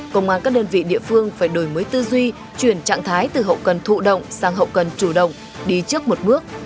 công an các đơn vị địa phương phải đổi mới tư duy chuyển trạng thái từ hậu cần thụ động sang hậu cần chủ động đi trước một bước